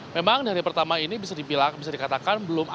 memang dari pertama ini bisa dikatakan belum ada